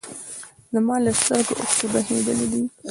زما له سترګو اوښکې بهېدلي دي